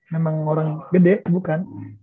memang orang gede bukan